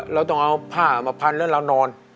เราต้องเอาผ้ามาพันแล้วเรานอน